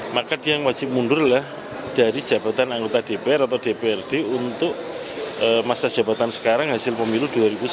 maka dia yang wajib mundur lah dari jabatan anggota dpr atau dprd untuk masa jabatan sekarang hasil pemilu dua ribu sembilan belas